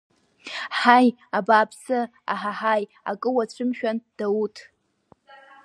Ҳаи, абааԥсы, аҳаҳаи, акы уацәымшәан, Дауҭ!